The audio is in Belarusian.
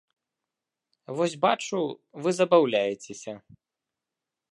Вось бачу, вы забаўляецеся.